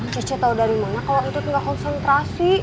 cece tau dari mana kalo untut gak konsentrasi